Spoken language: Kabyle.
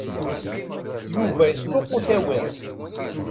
Yuba yesṭuqut awal.